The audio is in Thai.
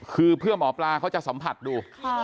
คือเพื่อหมอปลาเขาจะสัมผัสดู